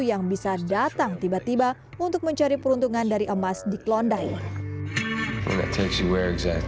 yang bisa datang tiba tiba untuk mencari peruntungan dari emas di klondike